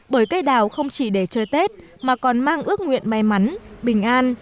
bởi cây đào không chỉ để chơi tết mà còn mang ước nguyện may mắn bình an